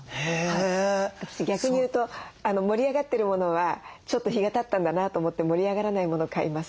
私逆に言うと盛り上がってるものはちょっと日がたったんだなと思って盛り上がらないものを買います。